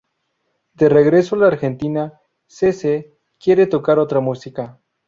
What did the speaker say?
De regreso a la Argentina, "Cece" quiere tocar otra música.